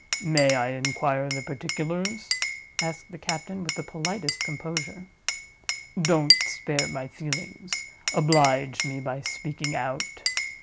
"May I inquire the particulars?" asked the captain, with the politest composure. "Don't spare my feelings; oblige me by speaking out.